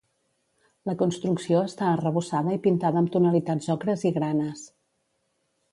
La construcció està arrebossada i pintada amb tonalitats ocres i granes.